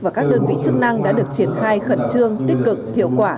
và các đơn vị chức năng đã được triển khai khẩn trương tích cực hiệu quả